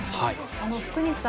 福西さん